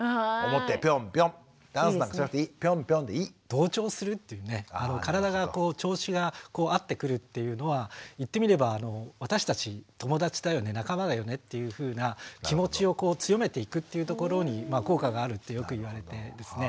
同調するっていうね体がこう調子が合ってくるっていうのは言ってみれば私たち友達だよね仲間だよねっていうふうな気持ちを強めていくっていうところに効果があるってよく言われてですね。